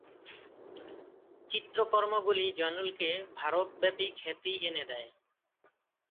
চিত্রকর্মগুলি জয়নুলকে ভারতব্যাপী খ্যাতি এনে দেয়।